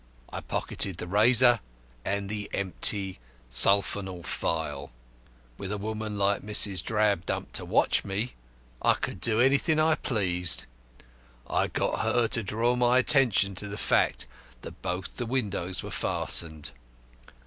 I pocketed the razor and the empty sulfonal phial. With a woman like Mrs. Drabdump to watch me, I could do anything I pleased. I got her to draw my attention to the fact that both the windows were fastened.